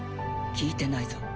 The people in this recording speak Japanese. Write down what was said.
聞いてないぞ。